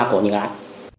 có những ái